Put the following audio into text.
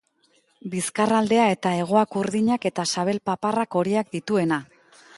Bizkarraldea eta hegoak urdinak, eta sabel-paparrak horiak dituena.